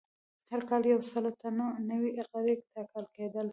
هر کال یو سل تنه نوي غړي ټاکل کېدل